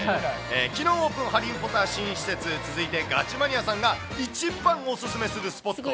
きのうオープン、ハリー・ポッター新施設、続いてガチマニアさんが一番お勧めするスポットへ。